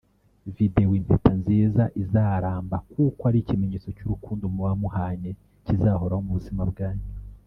video impeta nziza izaramba kuko ari ikimenyetso cy’uruundo muba muhanye kizahoraho mu buzima bwanyu